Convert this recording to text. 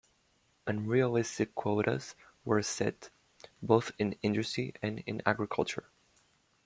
Unrealistic quotas were set, both in industry and in agriculture.